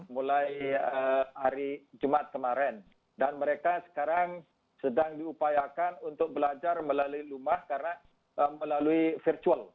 mulai hari jumat kemarin dan mereka sekarang sedang diupayakan untuk belajar melalui rumah karena melalui virtual